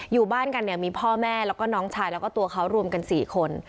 อยู่บ้านกันเนี่ยมีพ่อแม่แล้วก็น้องชายแล้วก็ตัวเขารวมกัน๔คน